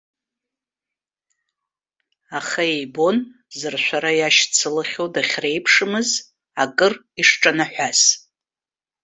Аха ибон, зыршәара иашьцылахьоу дахьреиԥшымыз акыр ишҿанаҳәаз.